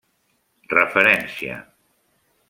Referència: